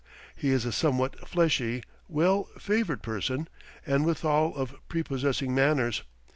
He is a somewhat fleshy, well favored person, and withal of prepossessing manners.